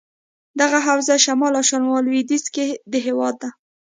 دغه حوزه شمال او شمال لودیځ کې دهیواد ده.